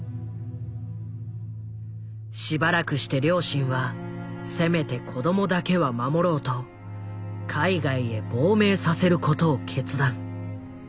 しばらくして両親はせめて子供だけは守ろうと海外へ亡命させることを決断。